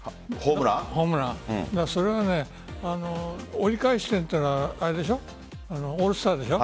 折り返し地点というのはオールスターでしょ。